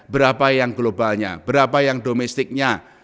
berapa yang globalnya berapa yang domestiknya